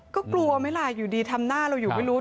ก็กลัวไหมล่ะอยู่ดีทำหน้าเราอยู่ไม่รู้